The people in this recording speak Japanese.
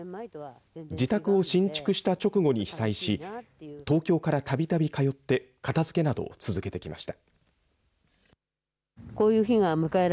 自宅を新築した直後に被災し東京から、たびたび通って片づけなどを続けてきました。